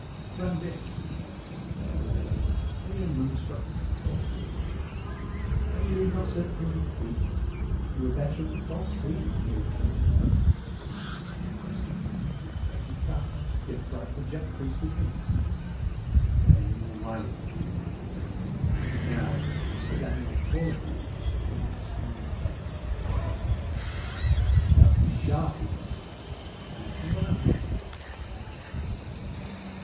"Friend Dick," he said, as soon as they were alone, "are ye a moon struck natural? An ye leave not certain things in peace, ye were better in the salt sea than here in Tunstall Moat House. Y' have questioned me; y' have baited Carter; y' have frighted the Jack priest with hints. Bear ye more wisely, fool; and even now, when Sir Daniel calleth you, show me a smooth face for the love of wisdom. Y' are to be sharply questioned. Look to your answers."